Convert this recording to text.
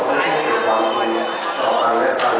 การพุทธศักดาลัยเป็นภูมิหลายการพุทธศักดาลัยเป็นภูมิหลาย